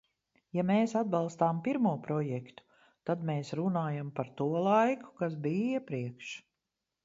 Ja mēs atbalstām pirmo projektu, tad mēs runājam par to laiku, kas bija iepriekš.